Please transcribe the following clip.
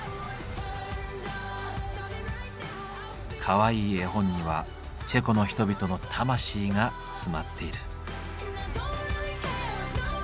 かわいい絵本にはチェコの人々の魂が詰まっている。